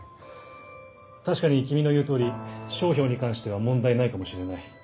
確かに君の言う通り商標に関しては問題ないかもしれない。